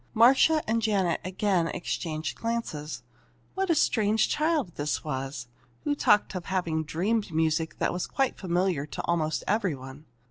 Marcia and Janet again exchanged glances. What a strange child this was, who talked of having "dreamed" music that was quite familiar to almost every one.